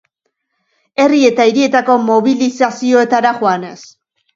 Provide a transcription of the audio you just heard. Herri eta hirietako mobilizazioetara joanez.